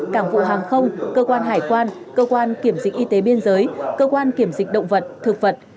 cảng vụ hàng không cơ quan hải quan cơ quan kiểm dịch y tế biên giới cơ quan kiểm dịch động vật thực vật